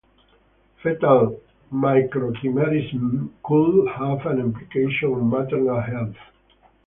Fetal microchimerism could have an implication on maternal health.